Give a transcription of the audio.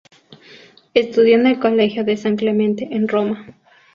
Estudió en el Colegio de San Clemente en Roma.